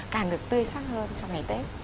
càng được tươi sắc hơn trong ngày tết